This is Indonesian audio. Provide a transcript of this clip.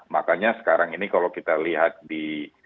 makanya sekarang ini kalau kita lihat di